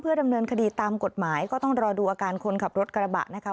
ดำเนินคดีตามกฎหมายก็ต้องรอดูอาการคนขับรถกระบะนะคะ